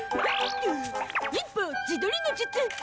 忍法自撮りの術！